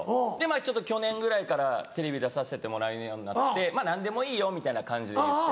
ちょっと去年ぐらいからテレビ出させてもらえるようになってまぁ何でもいいよみたいな感じで言って。